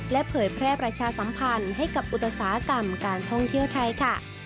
และเผยแพร่ประชาสัมพันธ์ให้กับอุตสาหกรรมการท่องเที่ยวไทยค่ะ